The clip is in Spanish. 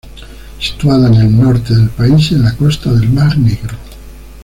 Situada en el norte del país en la costa del mar Negro.